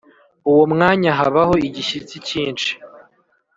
Uwo mwanya habaho igishyitsi cyinshi,